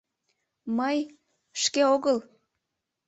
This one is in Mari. — Мый... шке огыл...